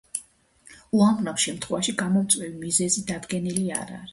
უამრავ შემთხვევაში გამომწვევი მიზეზი დადგენილი არ არის.